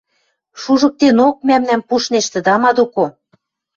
– Шужыктенок, мӓмнӓм пуштнештӹ тама доко...